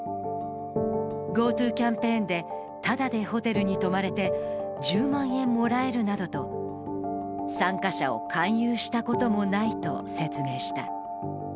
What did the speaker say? ＧｏＴｏキャンペーンでただでホテルに泊まれて１０万円もらえるなどと参加者を勧誘したこともないと説明した。